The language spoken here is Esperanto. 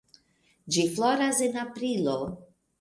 Ĝi floras en aprilo.